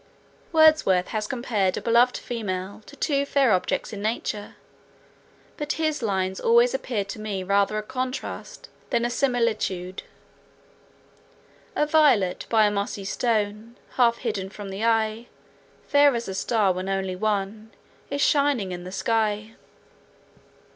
Wordsworth has compared a beloved female to two fair objects in nature; but his lines always appeared to me rather a contrast than a similitude: A violet by a mossy stone Half hidden from the eye, Fair as a star when only one Is shining in the sky.